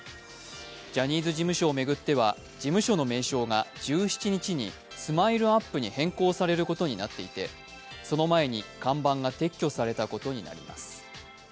ジャニーズ事務所を巡っては事務所の名称が１７日にＳＭＩＬＥ−ＵＰ．に変更されることになっていて、その前に看板が撤去されたことになります。